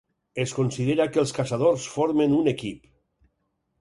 Es considera que els caçadors formen un equip.